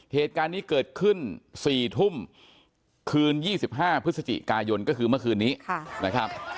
เหตุการณ์นี้เกิดขึ้น๔ทุ่มคืน๒๕พฤศจิกายนก็คือเมื่อคืนนี้นะครับ